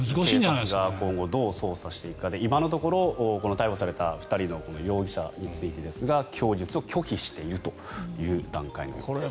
警察が今後どう捜査していくかで今のところ逮捕された２人の容疑者ですが供述を拒否しているという段階のようです。